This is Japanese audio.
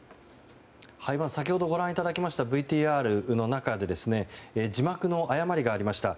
先ほどご覧いただきましたＶＴＲの中で字幕の誤りがありました。